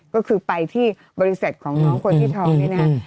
ก็คือไปที่บริษัทของน้องคนที่ทองนี่นะ